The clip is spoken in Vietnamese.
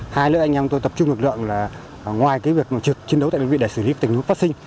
hai nữa là anh em tôi tập trung lực lượng ngoài việc chiến đấu tại đơn vị để xử lý tình huống phát sinh